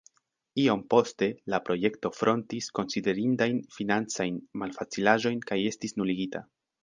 Iom poste la projekto frontis konsiderindajn financajn malfacilaĵojn kaj estis nuligita.